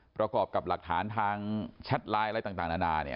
ประกอบกับหลักฐานทางแชทไลน์อะไรต่างนานา